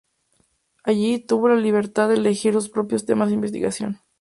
Allí, tuvo la libertad de elegir sus propios temas de investigación.